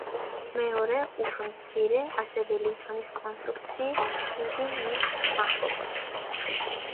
მეორე, უფრო მცირე, ასევე ლითონის კონსტრუქციის ხიდი მის მახლობლად.